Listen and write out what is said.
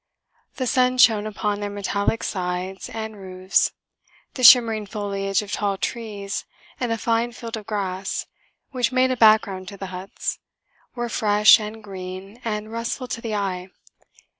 The sun shone upon their metallic sides and roofs. The shimmering foliage of tall trees, and a fine field of grass, which made a background to the huts, were fresh and green and restful to the eye.